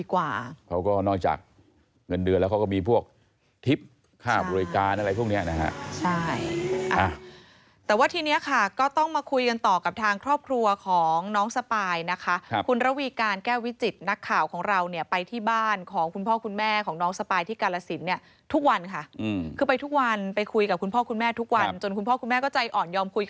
ค่าบรวยการอะไรพวกนี้นะครับนะครับใช่อ่ะแต่ว่าทีนี้ค่ะก็ต้องมาคุยกันต่อกับทางครอบครัวของน้องสปายนะครับคุณระวีการแก้วิจิตรนักข่าวของเราเนี่ยไปที่บ้านของคุณพ่อคุณแม่ของน้องสปายที่กาลสินเนี่ยทุกวันค่ะคือไปทุกวันไปคุยกับคุณพ่อคุณแม่ทุกวันจนคุณพ่อคุณแม่ก็ใจอ่อนยอมคุ